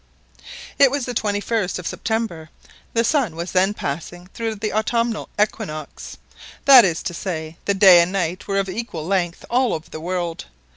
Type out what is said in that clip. It was the 21st of September. The sun was then passing through the autumnal equinox, that is to say, the day and night were of equal length all over the world.